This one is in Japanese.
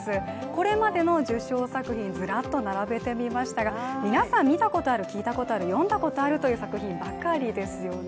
これまでの受賞作品、ずらっと並べてみましたが皆さん、見たことある、聞いたことある読んだことのあるという作品ばかりですよね。